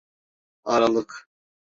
Aralık.